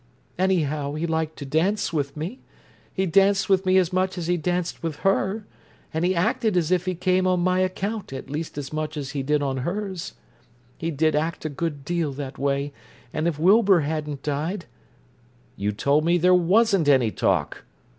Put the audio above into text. Anyhow, he liked to dance with me. He danced with me as much as he danced with her, and he acted as if he came on my account at least as much as he did on hers. He did act a good deal that way—and if Wilbur hadn't died—" "You told me there wasn't any talk."